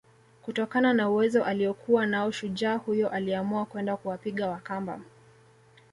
kutokana na uwezo aliokuwa nao shujaa huyo aliamua kwenda kuwapiga Wakamba